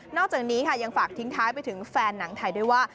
อกจากนี้ค่ะยังฝากทิ้งท้ายไปถึงแฟนหนังไทยด้วยว่า